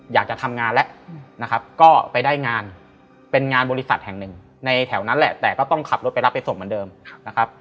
อยากจะทำงานแล้วนะครับก็ไปได้งานเป็นงานบริษัทแห่งหนึ่งในแถวนั้นแหละแต่ก็ต้องขับรถไปรับไปส่งเหมือนเดิมนะครับ